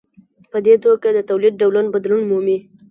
په دې توګه د تولید ډول بدلون مومي.